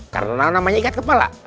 karena namanya ikat kepala